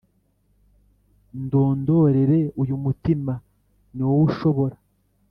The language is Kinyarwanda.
Ndondorere Uyu Mutima Ni Wowe Ushobora